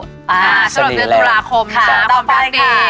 สนีแลนด์สำหรับเดือนกุลาคมค่ะต้องการดี